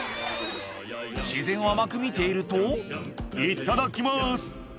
自然を甘く見ていると「いただきます」